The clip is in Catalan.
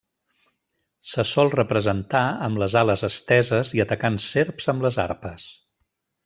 Se sol representar amb les ales esteses i atacant serps amb les arpes.